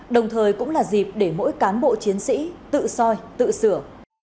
đồng thời cũng là dịp để mỗi cán bộ chiến sĩ tự soi tự sửa